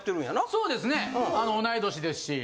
そうですね同い年ですし。